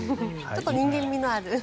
ちょっと人間味のある。